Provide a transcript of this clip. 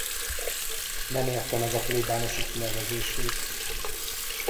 Nem érte meg a plébánosi kinevezését.